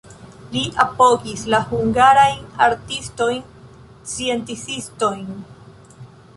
Li apogis la hungarajn artistojn, sciencistojn.